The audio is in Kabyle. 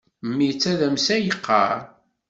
Mmi d tadamsa i yeqqar.